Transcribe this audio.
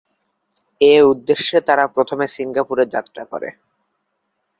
এ উদ্দেশ্যে তারা প্রথমে সিঙ্গাপুরে যাত্রা করে।